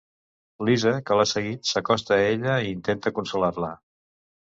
Lisa, que l'ha seguit, s'acosta a ella i intenta consolar-la.